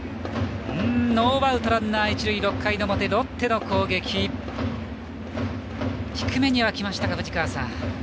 ノーアウトランナー、一塁６回の表ロッテの攻撃低めにはきましたが、藤川さん。